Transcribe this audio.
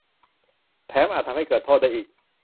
- แถมอาจทำให้เกิดโทษได้อีก